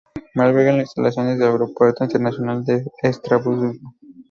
Alberga las instalaciones del Aeropuerto Internacional de Estrasburgo.